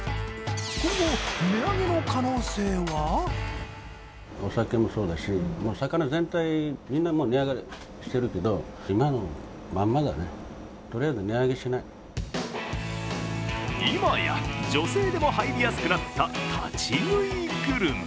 今後、値上げの可能性は今や女性でも入りやすくなった立ち食いグルメ。